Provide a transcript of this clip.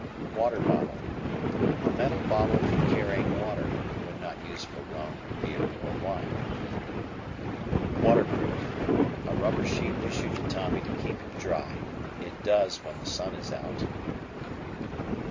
Water Bottle. A metal bottle for carrying water (when not used for rum, beer, or wine). Waterproof. A rubber sheet issued to Tommy to keep him dry. It does when the sun is out.